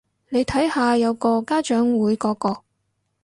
你睇下有個家長會嗰個